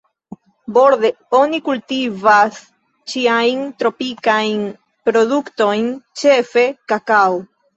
Borde oni kultivas ĉiajn tropikajn produktojn, ĉefe kakao.